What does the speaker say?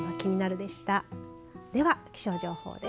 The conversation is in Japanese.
では気象情報です。